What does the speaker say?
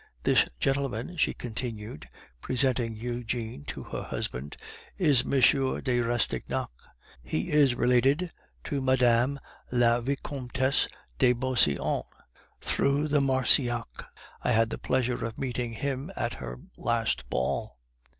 "This gentleman," she continued, presenting Eugene to her husband, "is M. de Rastignac; he is related to Mme. la Vicomtesse de Beauseant through the Marcillacs; I had the pleasure of meeting him at her last ball."